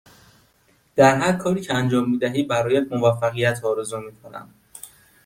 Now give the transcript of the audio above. در هرکاری که انجام می دهی برایت موفقیت آرزو می کنم.